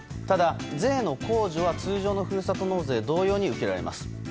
ただ、税の控除は通常のふるさと納税同様に受けられます。